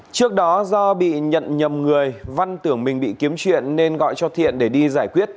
trước đó do bị nhận nhầm người văn tưởng mình bị kiếm chuyện nên gọi cho thiện để đi giải quyết